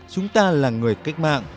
chúng ta là người cách mạng